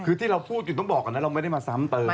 คือที่เราพูดอยู่ต้องบอกก่อนนะเราไม่ได้มาซ้ำเติม